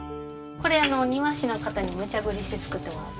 これ庭師の方にむちゃぶりして作ってもらった。